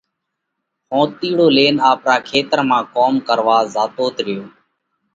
ۿونتِيڙو لينَ آپرا کيتر مانه ڪوم ڪروا زاتوت ريو۔